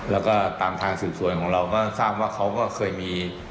แล้วก็ตามทางสืบสวนของเราก็ทราบว่าเขาก็เคยมี